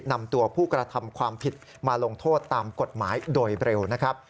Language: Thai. นำตัวผู้กระทำความผิดมาลงโทษตามกฎหมายโดยเร็วนะครับ